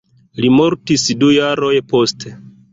Li mortis du jaroj poste.